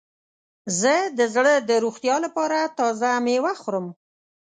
زه د زړه د روغتیا لپاره تازه میوه خورم.